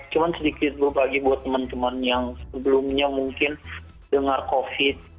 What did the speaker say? cuma sedikit berbagi buat teman teman yang sebelumnya mungkin dengar covid